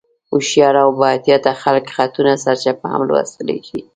هوښیار او بااحتیاطه خلک خطونه سرچپه هم لوستلی شي.